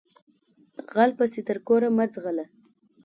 غل پسې تر کوره مه ځغلهٔ